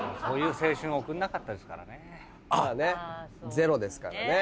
ゼロですからね。